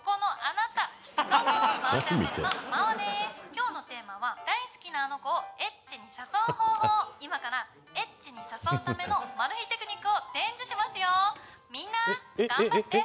「今日のテーマは大好きなあの子をエッチに誘う方法」「今からエッチに誘うためのマル秘テクニックを伝授しますよ」「みんな頑張って！」